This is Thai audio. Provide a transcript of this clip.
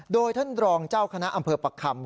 โดยท่านรองเจ้าคณะอำเภอประคำ